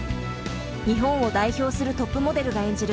日本を代表するトップモデルが演じる